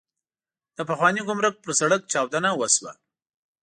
د پخواني ګمرک پر سړک چاودنه وشوه.